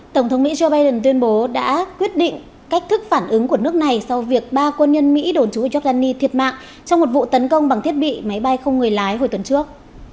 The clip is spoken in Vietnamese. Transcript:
tổng thống mỹ joe biden tuyên bố đã quyết định cách thức phản ứng của nước này sau việc ba quân nhân mỹ đồn trú ở giordani thiệt mạng trong một vụ tấn công bằng thiết bị máy bay không người lái hồi tuần trước